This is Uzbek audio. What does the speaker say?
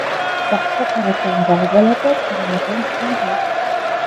• Boqqa qarasang bog‘ bo‘ladi, qaramasang — tikanzor.